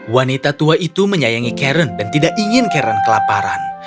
wanita tua itu menyayangi karen dan tidak ingin karen kelaparan